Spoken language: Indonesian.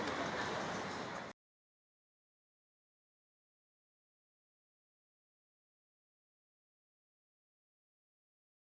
di mana pengemodinya disebut out of control